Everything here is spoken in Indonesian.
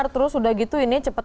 terus udah gitu ini cepat